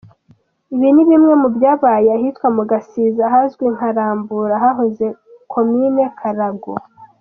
Ibi ni bimwe mu byabaye ahitwa mu Gasiza ahazwi nka Rambura, ahahoze Komini Karago.